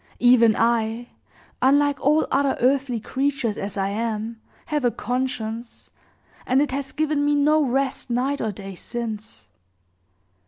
Even I unlike all other earthly creatures as I am have a conscience, and it has given me no rest night or day since.